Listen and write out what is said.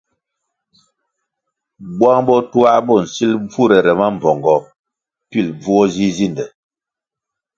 Bwang botuā bo nsil bvurere mambpongo pilʼ bvuo zi zinde.